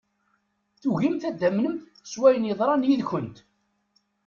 Tugimt ad tamnemt s wayen yeḍran yid-kent.